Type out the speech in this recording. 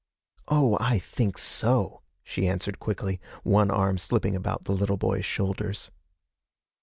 'Oh, I think so!' she answered quickly, one arm slipping about the little boy's shoulders.